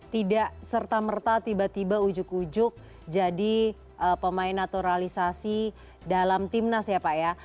tidak serta merta tiba tiba ujuk ujuk jadi pemain naturalisasi dalam timnas ya pak ya